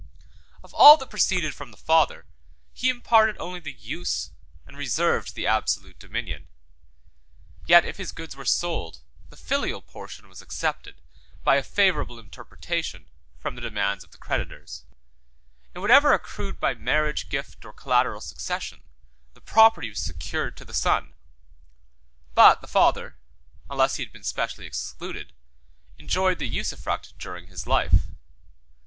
108 Of all that proceeded from the father, he imparted only the use, and reserved the absolute dominion; yet if his goods were sold, the filial portion was excepted, by a favorable interpretation, from the demands of the creditors. In whatever accrued by marriage, gift, or collateral succession, the property was secured to the son; but the father, unless he had been specially excluded, enjoyed the usufruct during his life.